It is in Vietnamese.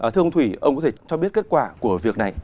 thưa ông thủy ông có thể cho biết kết quả của việc này